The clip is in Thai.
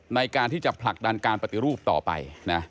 ในการที่จะผลักดันการปฏิรูปต่อไปนะ